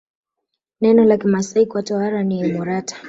Neno la Kimasai kwa tohara ni emorata